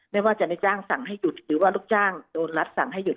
ไม่ว่าจะในจ้างสั่งให้หยุดหรือว่าลูกจ้างโดนรัฐสั่งให้หยุด